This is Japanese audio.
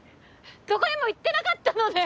どこにも行ってなかったのね。